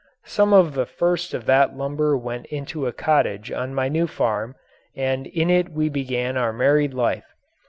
Some of the first of that lumber went into a cottage on my new farm and in it we began our married life.